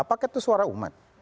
apakah itu suara umat